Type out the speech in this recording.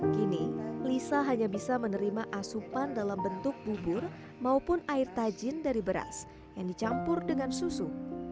kini lisa hanya bisa menerima asupan dalam bentuk bubur maupun air tajin dari beras yang dicampur dengan susu